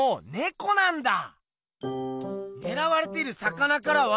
ねらわれてる魚からは。